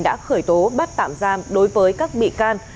đã khởi tố bắt tạm giam đối với các bị can